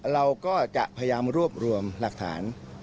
เราก็จะพยายามรวบรวมหลักฐาน